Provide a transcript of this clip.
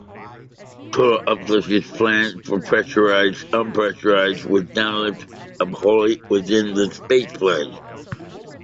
Total uplift is planned for pressurized, unpressurized, with downlift of wholly within the spaceplane.